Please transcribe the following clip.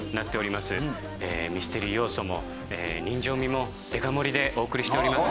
ミステリー要素も人情味もデカ盛りでお送りしております。